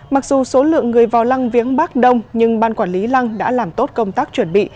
mặc dù số lượng người vào lăng viếng bác đông nhưng ban quản lý lăng đã làm tốt công tác chuẩn bị